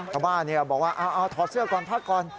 ชาวบ้านบอกว่าเอาถอดเสื้อก่อนพักก่อน